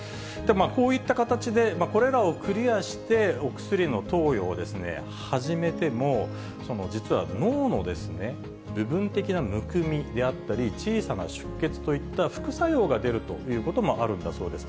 こういった形で、これらをクリアして、お薬の投与を始めても、実は脳の部分的なむくみであったり、小さな出血といった副作用が出るということもあるんだそうです。